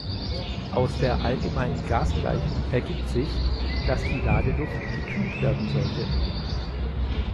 Aus der allgemeinen Gasgleichung ergibt sich, dass die Ladeluft gekühlt werden sollte.